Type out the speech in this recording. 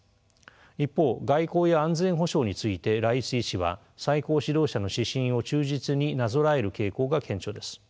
一方外交や安全保障についてライシ師は最高指導者の指針を忠実になぞらえる傾向が顕著です。